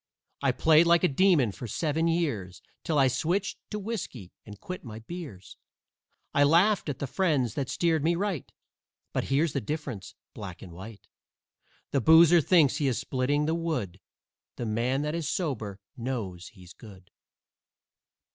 I played like a demon for seven years, 'Till I switched to whiskey and quit my beers. I laughed at the friends that steered me right, But here's the difference, black and white: The boozer THINKS he is splitting the wood, The man that is sober KNOWS he's good."